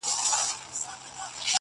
دا قضاوت یې په سپېڅلي زړه منلای نه سو،